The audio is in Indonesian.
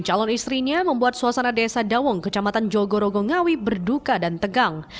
calon istrinya membuat suasana desa dawung kecamatan jogorogo ngawi berduka dan tegang